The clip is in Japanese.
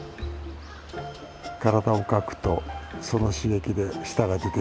体をかくとその刺激で舌が出てしまう。